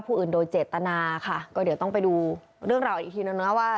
อื่นโดยเจตนาค่ะก็เดี๋ยวต้องไปดูเรื่องราวอีกทีนึงนะว่า